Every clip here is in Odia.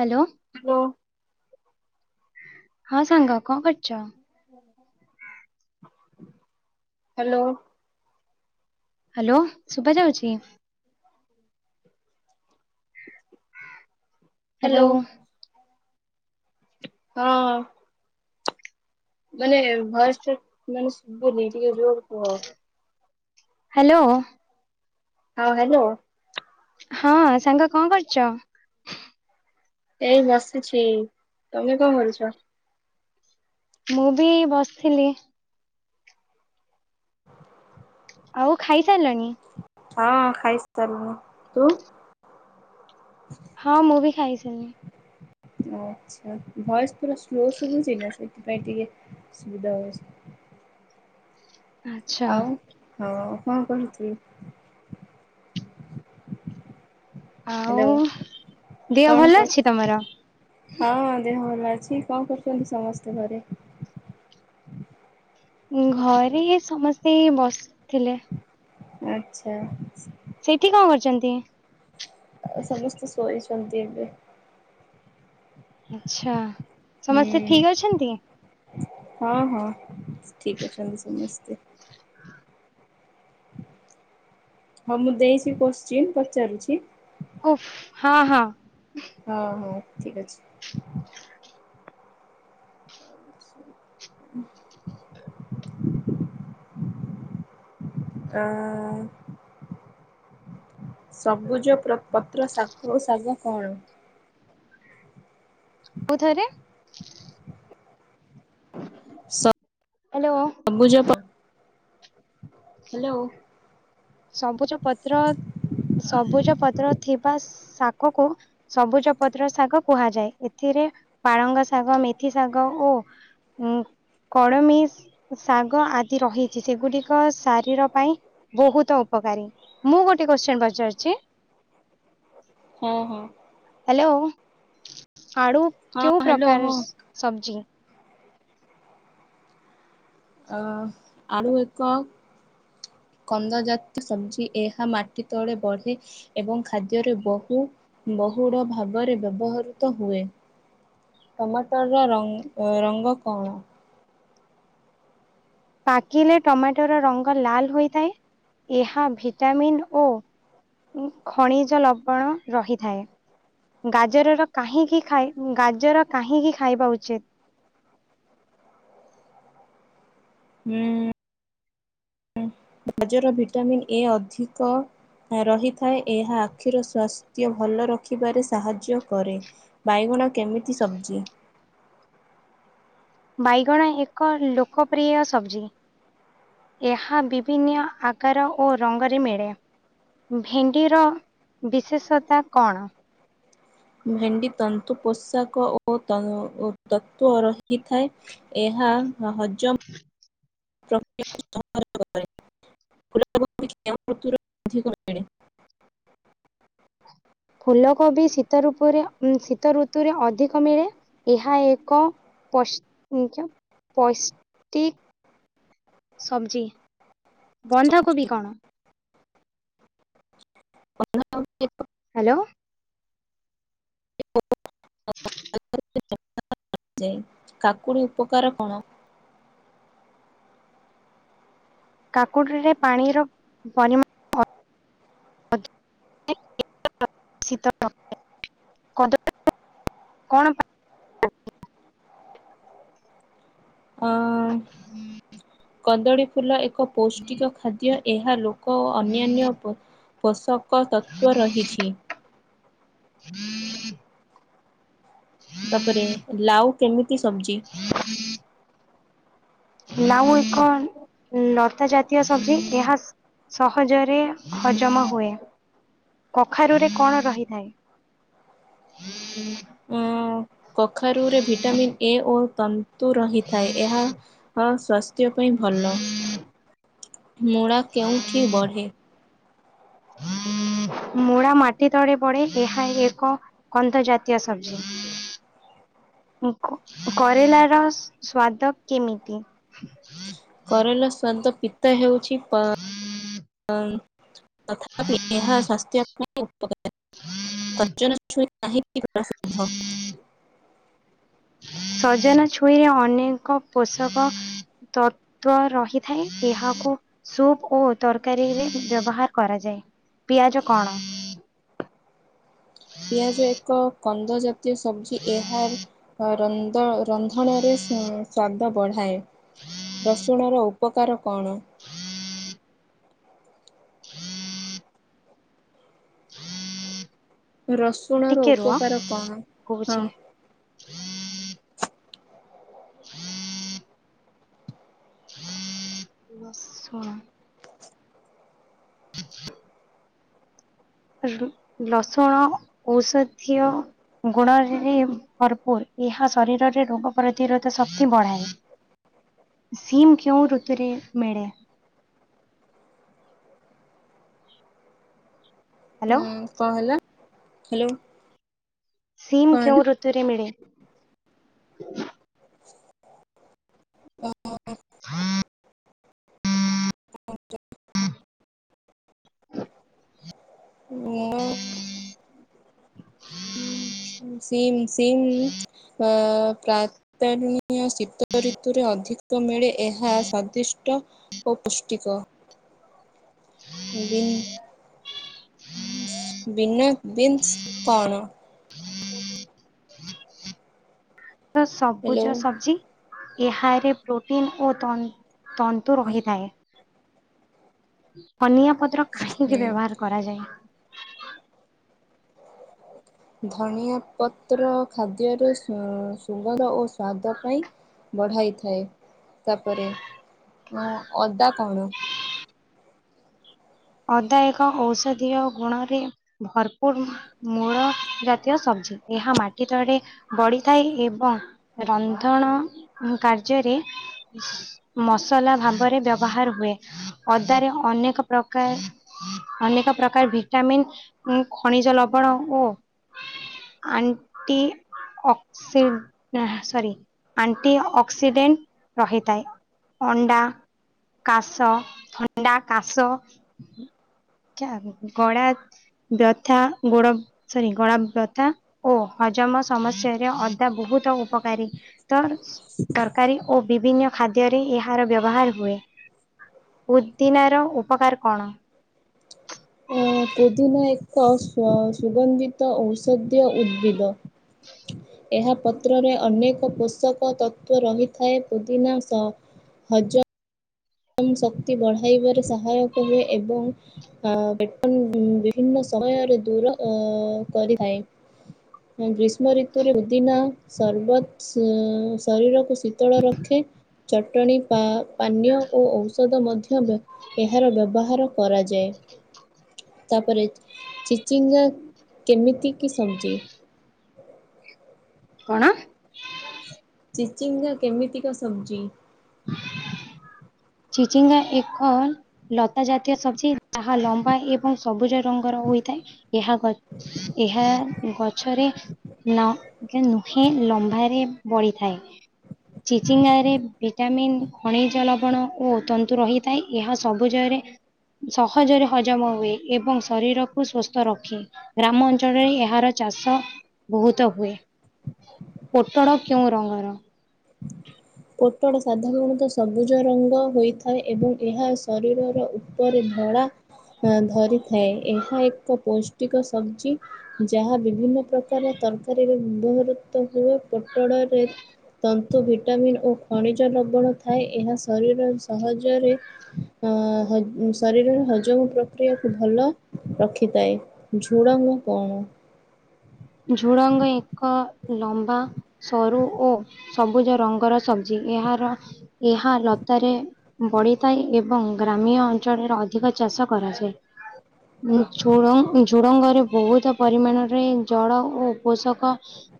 ହାଲୋ ଲୋ ହଁ ସାଙ୍ଗ କଁ କରୁଚ? ହାଲୋ ହାଲୋ ସୁବା ଯାଉଚି? ହାଲୋ ହ୍ୟାଲୋ ହଁ ମାନେ ଭୟସ୍ ଟା ମାନେ ଶୁବୁନି ଟିକେ ଯୋର କୁହ। ହାଲୋ ହଁ ହାଲୋ। ହଁ ସାଙ୍ଗ କଣ କରୁଚ? ଏଇ ବସିଚି ତମେ କଣ କରୁଚ? ମୁଁ ବି ବସଥିଲି। ଆଉ ଖାଇସାରିଲନି? ହଁ ଖାଇସ୍ ସାରଲିନି ତୁ? ହଁ ମୁଁ ବି ଖାଇସାଇଲିଣି। ଆଚ୍ଛା ଭଏସ୍ ପୁରା ସ୍ଲୋ ଶୁଭୁଚି ନା ସେଥିପାଇଁ ଟିକେ ଅସୁବିଧା ହଉଚି। ଆଚ୍ଛା ଆଉ ହଁ କଁ କରୁଚୀ? ହ୍ୟାଲୋ ଆଉ ଦିହ କଣ ଭଲ କରୁ ଅଛି ତମର? ହଁ ଦେହ ଭଲ ଅଛି କଣ କରୁଚନ୍ତି ସମସ୍ତେ ଘରେ? ଘରେ ଇଏ ସମସ୍ତେ ବସ୍-ଥିଲେ। ଆଚ୍ଛା। ସେଇଠି କଣ କରୁଛନ୍ତି? ଆଉ ସମସ୍ତେ ଶୋଇଛନ୍ତି ଏବେ। ଆଛା ହୁଁ ସମସ୍ତେ ଠିକ୍ ଅଛନ୍ତି? ହଁ ହଁ ଠିକ୍ ଅଛନ୍ତି ସମସ୍ତେ। ହଁ ମୁଁ ଦେଇଚି କୋଶ୍ଚିିନି ପଚାରୁଚି। ଓଫ୍ ହଁ ହଁ। ହଁ ହଉ ଠିକ୍ ଅଛି। ହୁଁ ଆଁ ସବୁଜ ପ୍ର ପତ୍ର ଶାକ ଓ ଶାଗ କଣ? ଆଉ ଥରେ? [inaudible] ସ ହ୍ୟାଲୋ ସବୁଜ ପ ହ୍ୟାଲୋ ସବୁଜ ପତ୍ର ସବୁଜ ପତ୍ର ଥିବା ଶାକ କୁ ସବୁଜ ପତ୍ର ଶାଗ କୁହାଯାଏ ଏଥିରେ ପାଳଙ୍ଗ ଶାଗ ମେଥି ଶାଗ ଓ ହୁଁ। କଡମି ଶାଗ ଆଦି ରହିଚି ସେଗୁଡିକ ଶାରୀର ପାଇଁ ବହୁତ ତ ଉପକାରୀ ମୁଁ ଗୋଟେ କୋଶ୍ଚିନ ପଚାରୁଚି ହଁ ହଁ। ହ୍ୟାଲୋ ଆଳୁ ହଁ କେଉଁ ହ୍ୟାଲୋ ହଁ। ପ୍ରକାରର ସବଜି? ଅ ଆଳୁ ଏକ କନ୍ଦଜାତି ସବଜି ଏହା ମାଟି ତଳେ ବଢେ। ଏବଂ ଖାଦ୍ୟରେ ବହୁ ବହୁଡ ଭାବରେ ବ୍ୟବହୃତ ହୁଏ। ସମସ୍ତର ର ରଙ୍ଗ କଣ? ପାକିଲେ ଟମାଟର ରଙ୍ଗ ଲାଲ ହୋଇଥାଏ ଏହା ଭିଟାମିନ୍ ଓ ଖଣିଜ ଲବଣ ରହିଥାଏ। ଗାଜରର କାହିଁକି ଖାଇ ଗାଜର କାହିଁକି ଖାଇବା ଉଚିତ୍? ହୁଁ। ଗାଜର ଭିଟାମିନ୍ ଏ ଅଧିକ ରହିଥାଏ ଏହା ଆଖିର ସ୍ୱାସ୍ଥ୍ୟ ଭଲ ରଖିବାରେ ସାହାଯ୍ୟ କରେ। ବାଇଗଣ କେମିତି ସବଜି? ବାଇଗଣ ଏକ ଲୋକପ୍ରିୟ ସବଜି। ଏହା ବିଭିନୀୟ ଆକାର ଓ ରଙ୍ଗରେ ମିଳେ। ଭେଣ୍ଡିର ବିଶେଷତା କଣ? ଭେଣ୍ଡି ତନ୍ତୁ ପୋଷାକ ଓ ତ ଓ ତତ୍ଵ ରହିଥାଏ। ଏହା ହଜମ ପ୍ରକ୍ରିୟା [unintelligible] [inaudible] ଫୁଲ କୋବି ଶୀତ ରୂପୁରେ ଶୀତ ଋତୁରେ ଅଧିକ ମିଳେ ଏହା ଏକ ପସ ପୈଷ୍ଟିକ ସବଜିି ବନ୍ଧାକୋବି କଣ? କଣ? ହାଲୋ [unintelligible] କାକୁଡି ଉପକାର କଣ? କାକୁଡିରେ ପାଣିର ପରିମାଣ [unintelligible] [unintelligible] ଅ [inaudible] କନ୍ଦଳୀ ଫୁଲ ଏକ ପୌଷ୍ଟିକ ଖାଦ୍ୟ। ଏହା ଲୋକ ଓ ଅନ୍ୟାନ୍ୟ ପୋ ପୋଷକ ତତ୍ଵ ରହିଛି। [inaudible] ତାପରେ ଲାଉ କେମିତି ସବଜି? ଲାଉ ଏକ [unintelligible] ଜାତୀୟ ସବଜି। ଏହା ସହଜରେ ହଜମ ହୁଏ। କଖାରୁରେ କଣ ରହିଥାଏ? [inaudible] ଅଁ କଖାରୁରେ ଭିଟାମିନ୍ ଏ ଓ ତନ୍ତୁ ରହିଥାଏ, ଏହା [unintelligible] [unintelligible] ମୂଳା କେଉଁଠି ବଢେ? [inaudible] ମୂଳା ମାଟି ତଳେ ବ, ଏହା ଏକ [unintelligible] ଜାତୀୟ ସବଜି। [unintelligible] କରେଲ ର ସ୍ଵାଦ କେମିତି? କରେଲା ସ୍ୱାଦ ପିତା ହେଉଛି [unintelligible] ତଥାପି ଏହା ସସ୍ଥ୍ୟ [unintelligible] [unintelligible] [inaudible] ସଜନା ଛୁଇଁ [unintelligible] ଅନେକ ପୋଷକ ତତ୍ଵ ରହିଥାଏ, ଏହାକୁ ସୁପ୍ ଓ ତରକାରୀରେ ବ୍ୟବହାର କରାଯାଏ। ପିଆଜ କଣ? ପିଆଜ ଏକ କନ୍ଦ ଜାତୀୟ ସବଜି। ଏହାର ରନ୍ଦ ରନ୍ଧଣରେ [unintelligible] ସ୍ୱାଦ ବଢ଼ାଏ। ରସୁଣର ଉପକାର କଣ? [inaudible] [inaudible] ରସୁଣ ର ଟିକେ ରୁହ ଉପକାର କଣ? କହୁଛି ହଁ। [inaudible] [inaudible] ରସୁଣ [inaudible] ଲସୁଣ ଔଷଧୀୟ ଗୁଣରେ ଭରପୁର। ଏହା ଶରୀରରେ ରୋଗ ପ୍ରତିରୋଧ ଶକ୍ତି ବଢାଏ। [unintelligible] କେଉଁ ଋତୁରେ ମିଳେ? ହ୍ୟାଲୋ? କଣ ହେଲା? ହ୍ୟାଲୋ? ସିମ୍ କଣ ହେଲା? କେଉଁ ଋତୁରେ ମିଳେ? [inaudible] [inaudible] [unintelligible] [inaudible] ସିମ୍ ସିମ୍ ଅ ପ୍ରା [unintelligible] ଶୀତ ଋତୁରେ ଅଧିକ ମିଳେ ଏହା ସ୍ଵାଦିଷ୍ଟ। ଓପୁଷ୍ଟିିକ। [unintelligible] [unintelligible] ବିନ ବିନ୍ କଣ? [unintelligible] ହ୍ୟାଲୋ ସବୁଜ ସବଜି। ଏହାରେ ପ୍ରୋଟିନ ଓ ତନ ତନ୍ତୁ ରହିଥାଏ। ଧନିଆ ପତ୍ର କାହିଁକି ହୁଁ ବ୍ୟବହାର କରାଯାଏ? ଧନିଆ ପତ୍ର ଖାଦ୍ୟରେ ସୁ ସୁଗନ୍ଧ ଓ ସ୍ଵାଦ ପାଇଁ ବଢ଼ାଇଥାଏ। ତାପରେ ଅଦା କଣ? ଅଦା ଏକ ଔଷଧୀୟ ଗୁଣରେ ଭରପୁର ମୂଳ ଜାତୀୟ ସବଜି। ଏହା ମାଟି ତଳେ ବଢିଥାଏ। ଏବଂ ରନ୍ଧଣ କାର୍ଯ୍ୟରେ ମସଲା ଭାବରେ ବ୍ୟବହାର ହୁଏ। ଅଦାରେ ଅନେକ ପ୍ର କାର ଅନେକ ପ୍ରକାର ଭିଟାମିନ୍ ଖଣିଜ ଲବଣ ଓ ଆଣ୍ଟି ଅକ୍ସି ସରି ଆଣ୍ଟି ଅକ୍ସିଡେଣ୍ଟ ରହିଥାଏ। ଅଣ୍ଡା, କାଶ ଥଣ୍ଡା କାଶ ଗଳା ବ୍ୟଥା ଗୋଡ ସରି ଗଳା ବ୍ୟଥା ଓ ହଜମ ସମସ୍ୟାରେ ଅଦା ବହୁତ ଉପକାରୀ। ତ ତରକାରୀ ଓ ବିଭିନ୍ନ ଖାଦ୍ୟରେ ଏହାର ବ୍ୟବହାର ହୁଏ। ପୁଦିିନା ର ଉପକାର କଣ? ପୋଦିନା ଏକ ସ୍ଵ ସୁଗନ୍ଧିତ ଔଷଧୀୟ ଉଦ୍ଭିଦ। ହ ଏହା ପତ୍ରରେ ଅନେକ ପୋଷକ ତତ୍ଵ ରହିଥାଏ ପୁଦିନା ସ ହଜ ମ ଶକ୍ତି ବଢାଇବାରେ ସହାୟକ ହୁଏ। ଏବଂ ଅ ପେଟ [unintelligible] ବିଭିନ୍ନ ସମୟରେ ଦୂର ଅ କରିଥାଏ। ହଁ ଗ୍ରୀଷ୍ମ ଋତୁରେ ପୁଦିନା ସର୍ବତ ସେ ଶରୀରକୁ ଶୀତଳ ରଖେ। ଚଟଣି ପା ପାନୀୟ ଓ ଔଷଧ ମଧ୍ୟ ବ୍ଯ ଏହାର ବ୍ୟବହାର କରାଯ ଯାଏ ତାପରେ ଚିଚିଙ୍ଗା କେମିତି କି ସଂଚେ କଣ? ଚିଚିଙ୍ଗା କେମିତିକା ସବଜି? ମେଁ ଚିଚିଙ୍ଗା ଏକ ଲତା ଜାତୀୟ ସବଜି। ତାହା ଲମ୍ବା ଏବଂ ସବୁଜ ରଙ୍ଗର ହୋଇଥାଏ। ଏହା ଗ ଏହା ଗଛରେ ଲ ନୁହେଁ ଲମ୍ବାରେ ବଢିଥାଏ। ଚିଚିଙ୍ଗାରେ ଭିଟାମିନ୍ ଖଣିଜ ଲବଣ ଓ ତନ୍ତୁ ରହିଥାଏ, ଏହା ସବୁଜରେ ସହଜରେ ହଜମ ହୁଏ ଏବଂ ଶରୀରକୁ ସୁସ୍ଥ ରଖେ। ଗ୍ରାମଅଞ୍ଚଳରେ ଏହାର ଚାଷ ବହୁତ ହୁଏ। ପୋଟଳ କେଉଁ ରଙ୍ଗର? ପୋଟଳ ସାଧାରଣତଃ ସବୁଜ ରଙ୍ଗ ହୋଇଥାଏ ଏବଂ ଏହା ଶରୀରର ଉପରେ ଧଳା ହଁ ଧରିଥାଏ। ଏହା ଏକ ପୌଷ୍ଟିକ ସବଜି। ଯାହା ବିଭିନ୍ନ ପ୍ରକାର ତରକାରୀରେ ବ୍ୟବହୃତ ହୁଏ। ପୋଟଳରେ ତନ୍ତୁ ଭିଟାମିନ୍ ଓ ଖଣିଜ ଲବଣ ଥାଏ। ଏହା ଶରୀର ସହଜରେ ଅ ଶରୀରର ହଜମ ପ୍ରକ୍ରିୟାକୁୁ ଭଲ ରଖିଥାଏ। ଝୁଡ଼ଙ୍ଗ କଣ? ଝୁଡ଼ଙ୍ଗ ଏକ ଲମ୍ବା ସରୁ ଓ ସବୁଜ ରଙ୍ଗର ସବଜି। ଏହାର ଏହା ଲତାରେ ବଢିଥାଏ ଏବଂ ଗ୍ରାମ୍ୟ ଅଞ୍ଚଳରେ ଅଧିକ ଚାଷ କରାଯାଏ। ଝୁ ଝୁଡଙ୍ଗରେ ବହୁତ ପରିମାଣରେ ଜଳ ଓ ପୋଷକ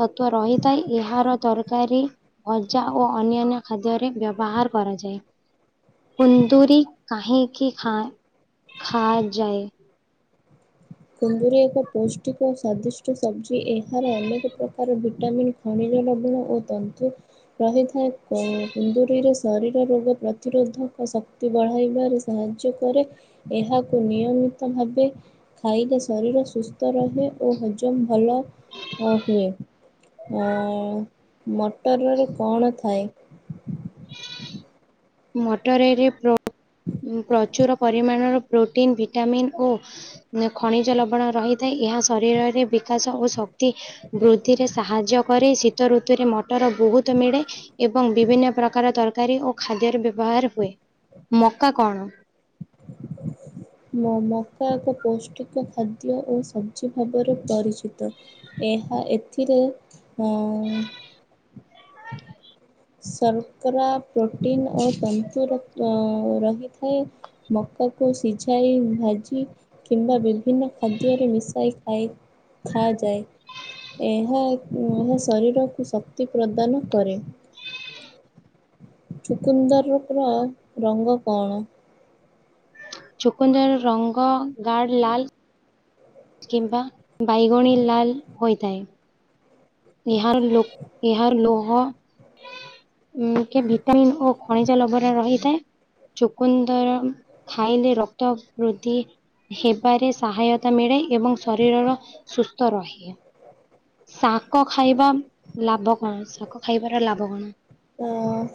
ତତ୍ଵ ରହିଥାଏ, ଏହାର ତରକାରୀ ଭଜା ଓ ଅନ୍ୟାନ୍ୟ ଖାଦ୍ୟରେ ବ୍ୟବହାର କରାଯାଏ। କୁନ୍ଦୁରି କାହିଁକି ଖାଁ ଖା ଯାଏ। କୁନ୍ଦୁରି ଏକ ପୌଷ୍ଟିକ ଓ ସ୍ଵାଦିଷ୍ଟ ସବଜି ଏହାର ଅନେକ ପ୍ରକାର ଭିଟାମିନ ଖଣିଜ ଲବଣ ଓ ତନ୍ତୁ ରହିଥାଏ। କୁ କୁନ୍ଦୁରି ର ଶରୀର ରୋଗ ପ୍ରତିରୋଧକ ଶକ୍ତି ବଢ଼ାଇବାରେ ସାହାଯ୍ୟ କରେ। ଏହାକୁ ନିୟମିତ ଭାବେ ଖାଇଲେ ଶରୀର ସୁସ୍ଥ ରହେ, ଓ ହଜମ ଭଲ ଅ ହୁଏ, ଅ ମଟରରେ କଣ ଥାଏ? ମଟରରେ ପ୍ରଚୁର ପରିମାଣର ପ୍ରୋଟିନ୍ ଭିଟାମିନ୍ ଓ ଖଣିଜ ଲବଣ ରହିଥାଏ, ଏହା ଶରୀରରେ ବିକାଶ ଓ ସ ବୃଦ୍ଧିରେ ସାହାଯ୍ୟ କରେ ଶୀତ ଋତୁରେ ମଟର ବହୁତ ମିଳେ ଏବଂ ବିଭିନ୍ନ ପ୍ରକାର ତରକାରୀ ଓ ଖାଦ୍ୟର ବ୍ୟବହାର ହୁଏ। ମକା କଣ? ମକା ଏକ ପୌଷ୍ଟିକ ଖାଦ୍ୟ ଓ ସବ୍ଜି ଭାବରେ ପରିଚିତ। ଏହା ଏଥିରେ ଉଁ [inaudible] ଶର୍କରା ପ୍ରୋଟିନ୍ ଓ [unintelligible] ରହିଥାଏ। ମକାକୁ ସିଝାଇ ଭାଜି କିମ୍ବା ବିଭିନ୍ନ ଖାଦ୍ୟରେ ମିଶାଇ ଖାଇ ଖାଆଯାଏ। ଏହା ଏହା ଶରୀରକୁ ଶକ୍ତି ପ୍ରଦାନ କରେ। ଚୁକୁନ୍ଦରୁ ପୁରା ରଙ୍ଗ କଅଁଳ ଚକୁନ୍ଦର ରଙ୍ଗ ଗାଡ ଲାଲ୍ କିମ୍ବା ବାଇଗଣୀ ଲାଲ୍ ହୋଇଥାଏ। ଏହାର ଲୁ ଏହାର ଲୋହ ଉ କି ଭିଟାମିିନ ଓ ଖଣିଜ ଲୋଭରେ ରହିଥାଏ। ଚୋକନ୍ଦର ଖାଇଲେ ରକ୍ତ ବୃଦ୍ଧି ହେବାରେ ସହାୟତା ମିଳେ ଏବଂ ଶରୀର ସୁସ୍ଥ ରୁହେ। ଶାକ ଖାଇବା ଲାଭ କଣ? ସାଗ ଖାଇବାରେ ଲାଭ କଣ? [unintelligible]